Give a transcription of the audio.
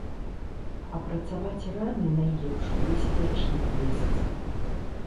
Апрацаваць раны найлепш у бяспечным месцы.